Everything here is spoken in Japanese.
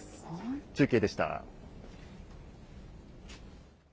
中継でした。